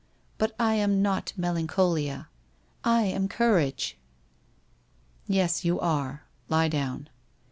But I am not Melancholia. I am Courage.' 1 Yes, you are. Lie down.'